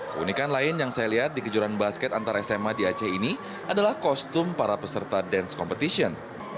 keunikan lain yang saya lihat di kejuaraan basket antar sma di aceh ini adalah kostum para peserta dance competition